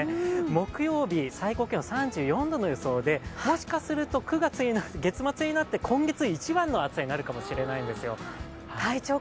木曜日、最高気温３４度の予想でもしかすると９月、月末になって、今月一番の暑さになるかもしれないんですよ。